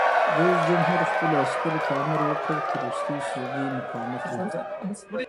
رئیس جمهور خپلو عسکرو ته امر وکړ؛ تر وروستۍ سلګۍ مقاومت وکړئ!